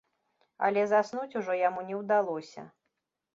Але заснуць ужо яму не ўдалося.